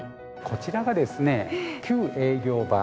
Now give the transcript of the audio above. こちらがですね旧営業場。